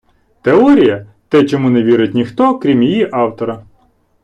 Теорія – те, чому не вірить ніхто, крім її автора.